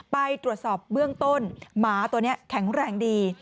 ไปตรวจสอบเบื้องต้นหมาตัวนี้แข็งแรงดี